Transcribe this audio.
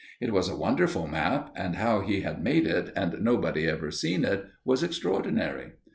It was a wonderful map, and how he had made it, and nobody ever seen it, was extraordinary.